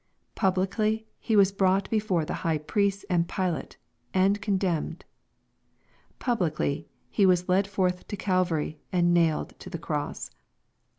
Publicly He was brought before the High Priests and Pilate, and condemned. Publicly He was led forth to Calvary, and nailed to the cross.